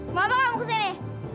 maafkan aku sene